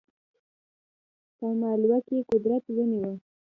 په مالوه کې قدرت ونیوی.